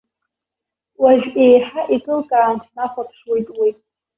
Уажә еиҳа икылкаан снахәаԥшуеит уи.